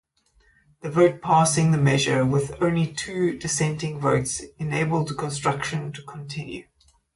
The vote-passing the measure with only two dissenting votes-enabled construction to continue.